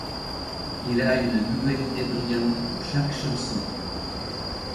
Il a une nouvelle idée brillante pour chaque chanson.